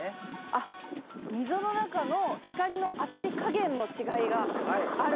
あっ溝の中の光の当たり加減の違いがあるんですね。